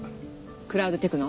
クラウドテクノ？